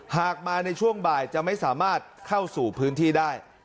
หากมาในช่วงบ่ายจะไม่สามารถเข้าสู่พื้นที่ได้